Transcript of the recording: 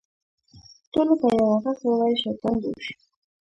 ټولو په يوه ږغ وويل شيطان بوش.